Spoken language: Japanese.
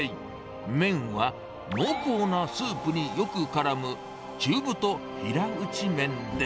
麺は濃厚なスープによくからむ中太平打ち麺です。